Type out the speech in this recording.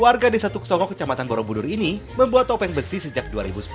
warga desa tuksongo kecamatan borobudur ini membuat topeng besi sejak dua ribu sepuluh